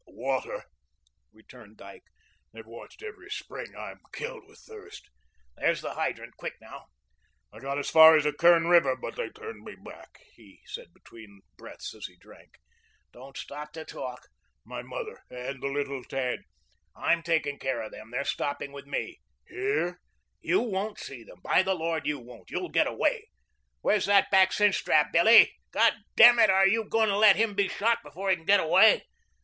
"Water," returned Dyke. "They've watched every spring. I'm killed with thirst." "There's the hydrant. Quick now." "I got as far as the Kern River, but they turned me back," he said between breaths as he drank. "Don't stop to talk." "My mother, and the little tad " "I'm taking care of them. They're stopping with me." Here? "You won't see 'em; by the Lord, you won't. You'll get away. Where's that back cinch strap, BILLY? God damn it, are you going to let him be shot before he can get away?